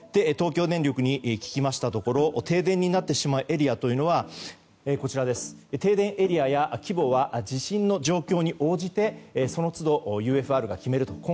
東京電力に聞きましたところ停電になってしまうエリアというのは停電エリアや規模は地震の状況に応じてその都度ＵＦＲが決めると。